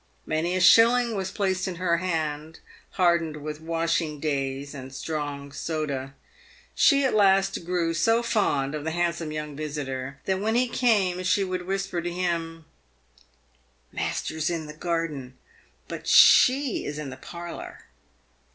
Many a shilling was placed in her hand, hardened with washing days and strong soda. She at last grew so fond of the handsome young visitor, that when he came she would whisper to him " Master's in the garden, but she is in the parlour."